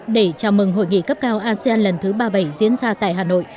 để chào mừng hội nghị cấp cao asean lần thứ ba mươi bảy diễn ra tại hà nội